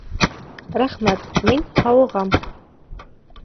Рәхмәт, мин һауығам